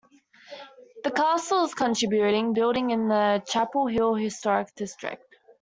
The castle is a contributing building in the Chapel Hill Historic District.